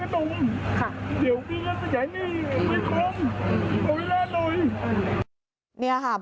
เดี๋ยวพี่ก็จะแขนมีไม่คงโดนละล่ะหน่อย